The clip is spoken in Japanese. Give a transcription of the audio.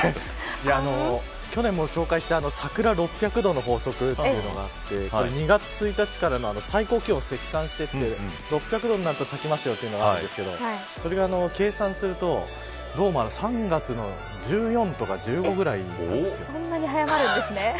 去年も紹介した桜６００度の法則、あって２月１日からの最高気温を積算していって６００度になると咲きますというのがあるんですけどそれが計算するとどうも３月の１４とかそんなに早まるんですね。